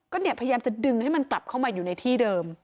ก็เนี่ยพยายามจะดึงให้มันกลับเข้ามาอยู่ในที่เดิม